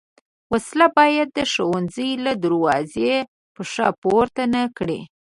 وسله باید د ښوونځي له دروازې پښه پورته نه کړي